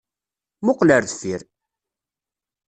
Muqqel ar deffir!